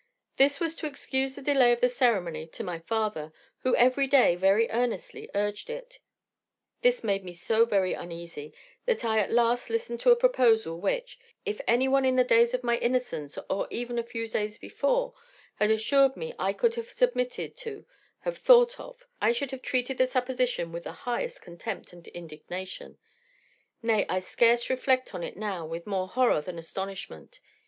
This was to excuse the delay of the ceremony to my father, who every day very earnestly urged it. This made me so very uneasy, that I at last listened to a proposal, which, if any one in the days of my innocence, or even a few days before, had assured me I could have submitted to have thought of, I should have treated the supposition with the highest contempt and indignation; nay, I scarce reflect on it now with more horror than astonishment.